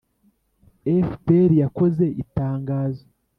fpr yakoze itangazo